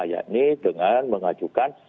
yakni dengan mengajukan